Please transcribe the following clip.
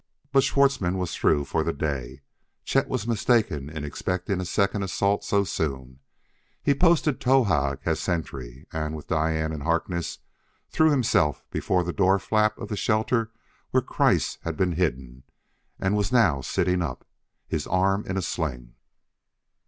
But Schwartzmann was through for the day; Chet was mistaken in expecting a second assault so soon. He posted Towahg as sentry, and, with Diane and Harkness, threw himself before the door flap of the shelter where Kreiss had been hidden, and was now sitting up, his arm in a sling.